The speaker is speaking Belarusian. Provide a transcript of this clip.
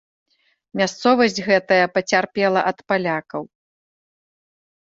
Мясцовасць гэтая пацярпела ад палякаў.